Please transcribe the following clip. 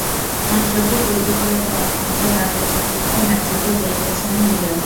মাশরাফির তৈরি করে দেওয়া মঞ্চে দাঁড়িয়ে রীতিমতো হ্যাটট্রিকও পেয়ে গেছেন রুবেল।